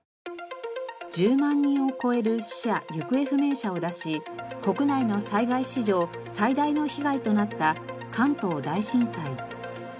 １０万人を超える死者行方不明者を出し国内の災害史上最大の被害となった関東大震災。